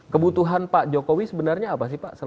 kebutuhan pak jokowi sebenarnya apa sih pak